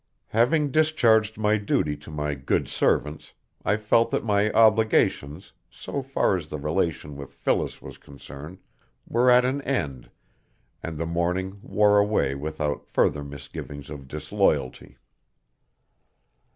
Having discharged my duty to my good servants, I felt that my obligations, so far as the relation with Phyllis was concerned, were at an end, and the morning wore away without further misgivings of disloyalty.